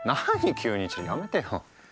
急にやめてよ。